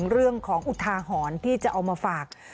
เรื่องของอุทาหรณ์ที่จะเอามาฝาก